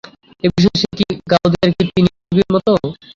এ বিষয়ে সে কি গাওদিয়ার কীর্তি নিয়োগীর মতো?